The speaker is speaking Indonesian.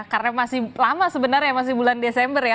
karena masih lama sebenarnya masih bulan desember ya